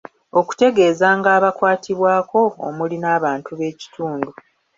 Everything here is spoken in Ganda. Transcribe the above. Okutegeezanga abakwatibwako omuli n'abantu b'ekitundu.